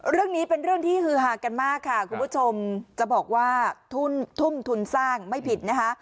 เรื่องนี้เป็นเรื่องที่ฮือหากันมากค่ะคุณผู้ชมจะบอกว่าทุ่มทุนสร้างไม่ผิดนะคะ